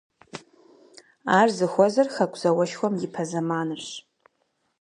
Ар зыхуэзэр Хэку зауэшхуэм ипэ зэманырщ.